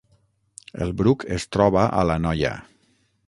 El Bruc es troba a l’Anoia